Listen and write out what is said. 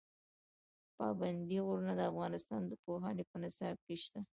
پابندي غرونه د افغانستان د پوهنې په نصاب کې شته.